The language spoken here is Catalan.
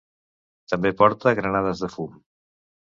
També porta granades de fum.